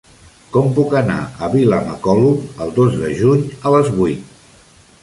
Com puc anar a Vilamacolum el dos de juny a les vuit?